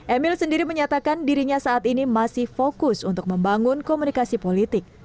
emil sendiri menyatakan dirinya saat ini masih fokus untuk membangun komunikasi politik